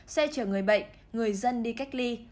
xe chở người bệnh người dân đi cách ly